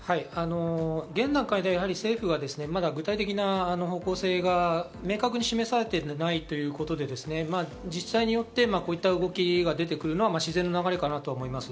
現段階で政府はまだ具体的な方向性が明確に示されていないということで、自治体によってこういう動きが出てくるのは自然の流れかなと思います。